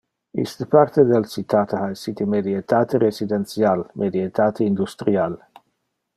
Iste parte del citate ha essite medietate residential, medietate industrial.